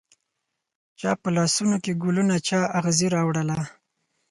چا په لاسونوکې ګلونه، چااغزي راوړله